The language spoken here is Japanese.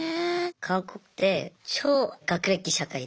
韓国って超学歴社会で。